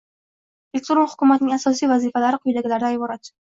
Elektron hukumatning asosiy vazifalari quyidagilardan iborat: